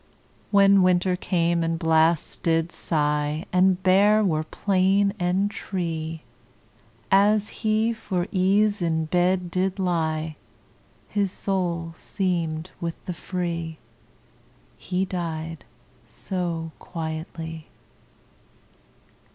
When winter came and blasts did sigh, And bare were plain and tree, As he for ease in bed did lie His soul seemed with the free, He died so quietly.